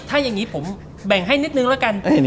ถ้าอย่างนี้ผมแบ่งให้นิดนึงแล้วกัน